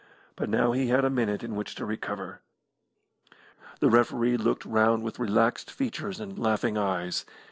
But now he had a minute in which to recover. The referee looked round with relaxed features and laughing eyes.